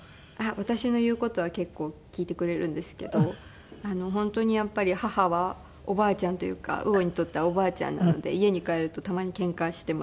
私の言う事は結構聞いてくれるんですけど本当にやっぱり母はおばあちゃんというか魚にとってはおばあちゃんなので家に帰るとたまにケンカしてます